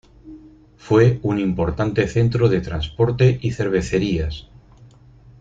Fue un importante centro de transporte y cervecerías.